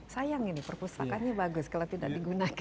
sayang ini perpustakaannya bagus kalau tidak digunakan